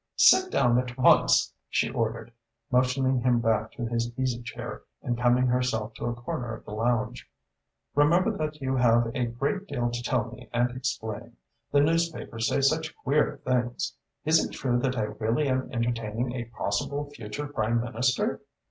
"Sit down at once," she ordered, motioning him back to his easy chair and coming herself to a corner of the lounge. "Remember that you have a great deal to tell me and explain. The newspapers say such queer things. Is it true that I really am entertaining a possible future Prime Minister?"